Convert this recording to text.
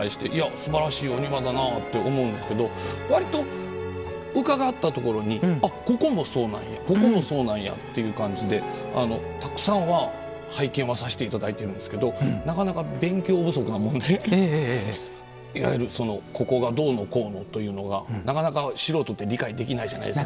すばらしいお庭だなと思うんですけど割とうかがったところにここもそうなんやここもそうなんやという感じでたくさんは拝見はさせていただいているんですけれどもなかなか勉強不足なものでいわゆるここがどうのこうのというのがなかなか素人って理解できないじゃないですか。